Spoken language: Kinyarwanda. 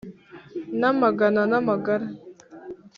n’amagana n’amagara,